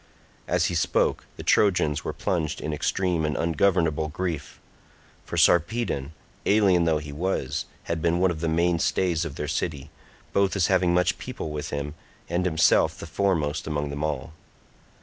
As he spoke the Trojans were plunged in extreme and ungovernable grief; for Sarpedon, alien though he was, had been one of the main stays of their city, both as having much people with him, and himself the foremost among them all.